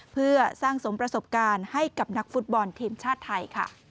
เพื่อสร้างสมประสบการณ์ให้กับนักฟุตบอลทีมชาติไทยค่ะ